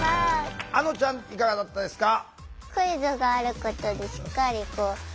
あのちゃんいかがだったですか？